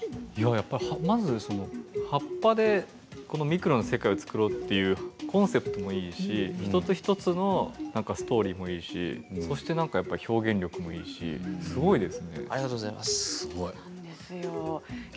葉っぱでミクロの世界を作ろうというコンセプトもいいし一つ一つのストーリーもいいしそして、表現力がすごいですね。